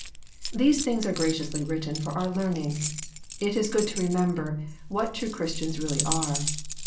These things are graciously written for our learning. It is gc^d to remember what true Christians really are.